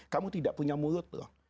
kamu tidak punya mulut loh